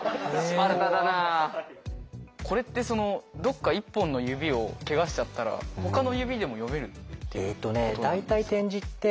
これってそのどっか１本の指をけがしちゃったらほかの指でも読める？